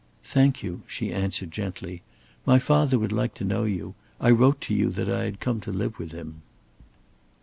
"Thank you," she answered, gently. "My father would like to know you. I wrote to you that I had come to live with him."